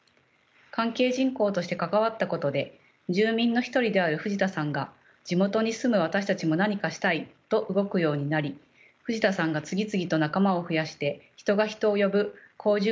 関係人口として関わったことで住民の一人である藤田さんが地元に住む私たちも何かしたいと動くようになり藤田さんが次々と仲間を増やして人が人を呼ぶ好循環が出来ていきました。